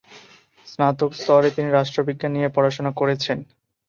স্নাতক স্তরে তিনি রাষ্ট্রবিজ্ঞান নিয়ে পড়াশোনা করেছেন।